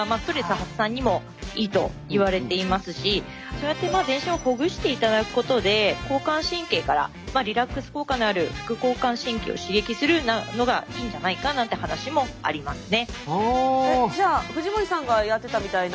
そうやって全身をほぐしていただくことで交感神経からリラックス効果のある副交感神経を刺激するのがいいんじゃないかなんて話もありますね。